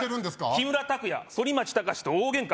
「木村拓哉反町隆史と大げんか」